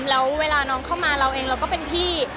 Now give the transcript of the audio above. แล้วเวลาน้องเข้ามาเราเองเราก็เป็นพี่